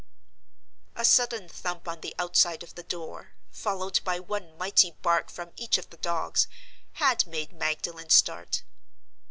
A sudden thump on the outside of the door, followed by one mighty bark from each of the dogs, had made Magdalen start.